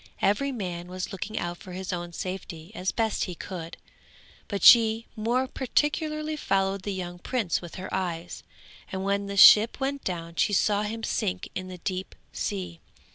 Every man was looking out for his own safety as best he could; but she more particularly followed the young prince with her eyes, and when the ship went down she saw him sink in the deep sea.